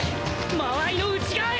間合いの内側へ！